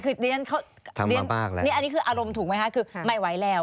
คืออันนี้คืออารมณ์ถูกไหมคะคือไม่ไหวแล้ว